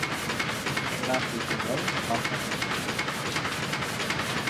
Telah dijual maka dibeli